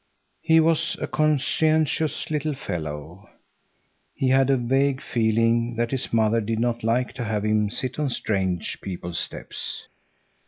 He was a conscientious little fellow. He had a vague feeling that his mother did not like to have him sit on strange people's steps.